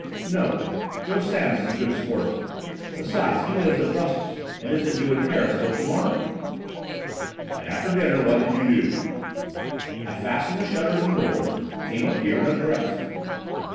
"No, Joe Sans is a good sportsman; besides, he lives at Brussels, and isn't due in Paris till to morrow." "And after dinner, what did you do?" "I fastened the shutters and doors, came up here and undressed."